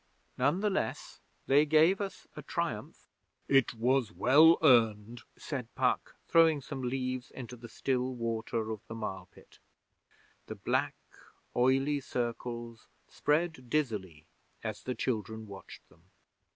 'None the less they gave us a Triumph!' 'It was well earned,' said Puck, throwing some leaves into the still water of the marlpit. The black, oily circles spread dizzily as the children watched them.